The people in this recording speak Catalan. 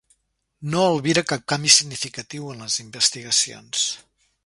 No albira cap canvi significatiu en les investigacions.